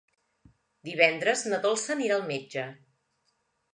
Divendres na Dolça anirà al metge.